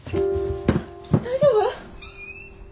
大丈夫？